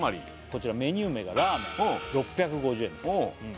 こちらメニュー名がラーメン６５０円です